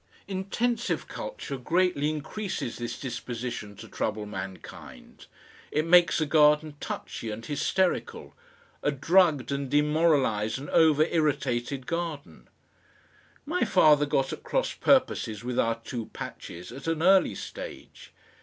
Intensive culture greatly increases this disposition to trouble mankind; it makes a garden touchy and hysterical, a drugged and demoralised and over irritated garden. My father got at cross purposes with our two patches at an early stage.